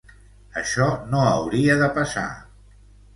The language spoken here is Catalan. Això no hauria de passar.